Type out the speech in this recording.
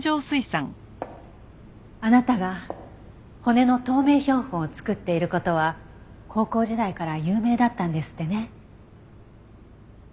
あなたが骨の透明標本を作っている事は高校時代から有名だったんですってね。